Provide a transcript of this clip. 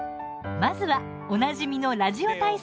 まずは、おなじみの「ラジオ体操」